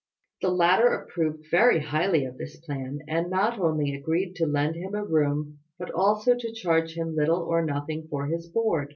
The latter approved very highly of this plan, and not only agreed to lend him a room but also to charge him little or nothing for his board.